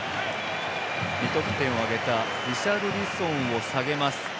２得点を挙げたリシャルリソンを下げます。